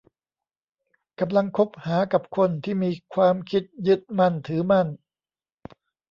กำลังคบหากับคนที่มีความคิดยึดมั่นถือมั่น